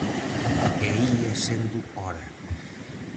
E ía sendo hora.